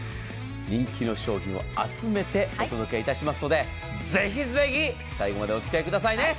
人気の商品を集めてお届けいたしますのでぜひぜひ最後までお付き合いくださいね。